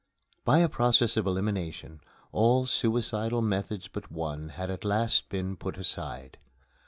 By a process of elimination, all suicidal methods but one had at last been put aside.